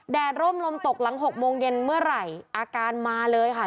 ร่มลมตกหลัง๖โมงเย็นเมื่อไหร่อาการมาเลยค่ะ